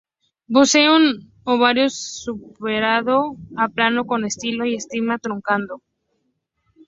Posee un ovario súpero aplanado con estilo y estigma truncado.